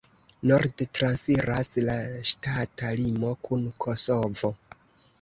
Norde transiras la ŝtata limo kun Kosovo.